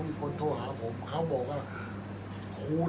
อันไหนที่มันไม่จริงแล้วอาจารย์อยากพูด